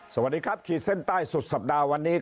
สวัสดีครับขีดเส้นใต้สุดสัปดาห์วันนี้